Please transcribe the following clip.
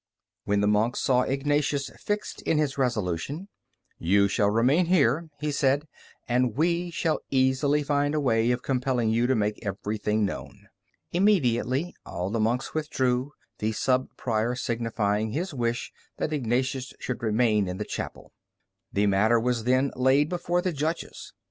When the monk saw Ignatius fixed in his resolution, "You shall remain here," he said, "and we shall easily find a way of compelling you to make everything known." Immediately all the monks withdrew, the subprior signifying his wish that Ignatius should remain in the chapel. The matter was then laid before the judges.